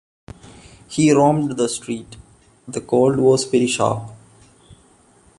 He roamed the street, the cold was very sharp.